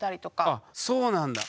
あそうなんだ。